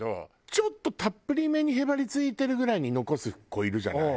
ちょっとたっぷりめにへばりついてるぐらいに残す子いるじゃない。